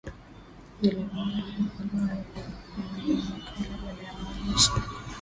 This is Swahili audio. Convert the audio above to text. zililimwa huko Mawe ya maghofu ya miji ya kale bado yanaonyesha